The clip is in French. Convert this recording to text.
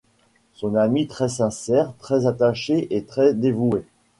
Son ami très sincère, très attaché et très dévoué.